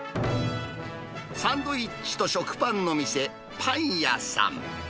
サンドイッチと食パンの店、パンヤサン。